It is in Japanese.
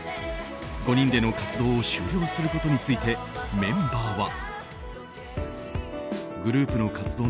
５人での活動を終了することについてメンバーは。